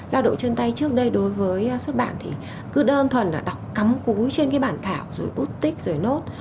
lao động chân tay trước đây đối với xuất bản thì cứ đơn thuần là đọc cắm cúi trên cái bản thảo rồi út tích rồi nốt